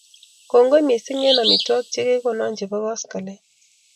kongoi mising eng' amitwagik che kee gona chebo koskoling